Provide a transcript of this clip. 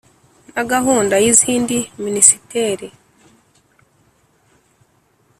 na gahunda y'izindi minisiteri.